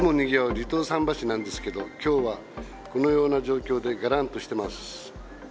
離島桟橋なんですけど、きょうはこのような状況でがらんとしてます。